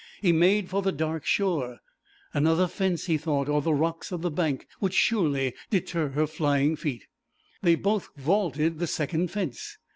He made for the dark shore. Another fence, he thought, or the rocks of the bank, would surely deter her flying feet. They both vaulted the second fence.